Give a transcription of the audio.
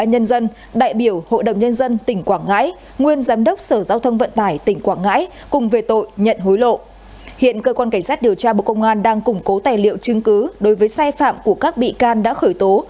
hiện cơ quan cảnh sát điều tra bộ công an đang củng cố tài liệu chứng cứ đối với sai phạm của các bị can đã khởi tố